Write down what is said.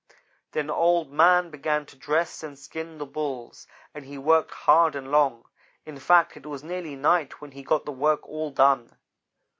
"Then Old man began to dress and skin the Bulls, and he worked hard and long. In fact it was nearly night when he got the work all done.